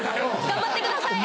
頑張ってください！